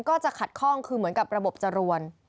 ก็จะขัดข้องคือเหมือนกับระบบจรวน